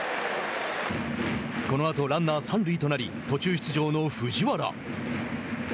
このあとランナー三塁となり途中出場の藤原。